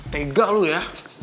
tega lu ya